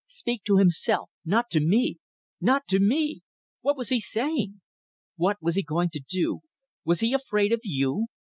Speak to himself not to me. Not to me! What was he saying? What was he going to do? Was he afraid of you?